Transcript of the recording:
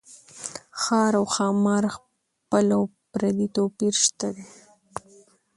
ښار او ښامار خپل او پردي توپير شته دي